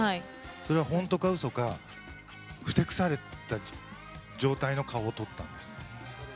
それはホントかウソかふてくされた状態の顔を撮ったんですって。